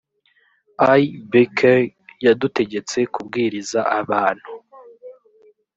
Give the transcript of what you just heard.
ibk yadutegetse kubwiriza abantu